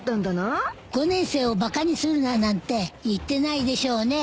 「５年生をバカにするな」なんて言ってないでしょうね。